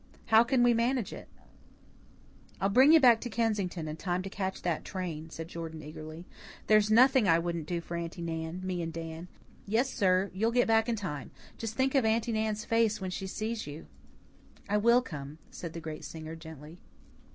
How can we manage it?" "I'll bring you back to Kensington in time to catch that train," said Jordan eagerly. "There's nothing I wouldn't do for Aunty Nan me and Dan. Yes, sir, you'll get back in time. Just think of Aunty Nan's face when she sees you!" "I will come," said the great singer, gently.